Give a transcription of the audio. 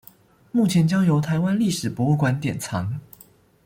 目前交由臺灣歷史博物館典藏